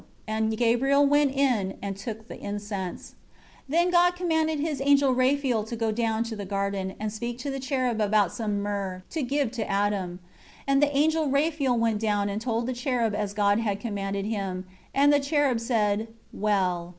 And Gabriel went in and took the incense. 4 Then God commanded his angel Raphael to go down to the garden, and speak to the cherub about some myrrh, to give to Adam. 5 And the angel Raphael went down and told the cherub as God had commanded him, and the cherub said, "Well."